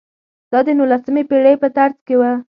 دا د نولسمې پېړۍ په ترڅ کې و.